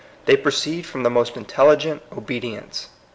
They proceed from the most intelli gent obedience.